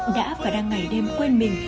đã và đang ngày đêm quên mình